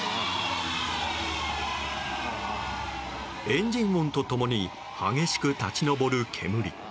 エンジン音と共に激しく立ち上る煙。